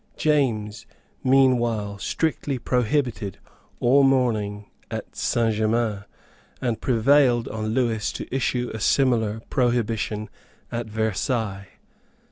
James, meanwhile, strictly prohibited all mourning at Saint Germains, and prevailed on Lewis to issue a similar prohibition at Versailles.